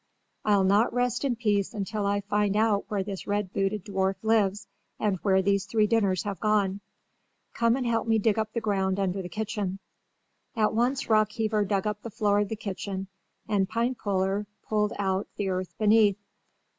I'll not rest in peace until I find out where this red booted dwarf lives and where these three dinners have gone. Come and help me dig up the ground under the kitchen." At once Rockheaver dug up the floor of the kitchen and Pinepuller pulled out the earth beneath.